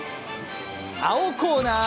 青コーナー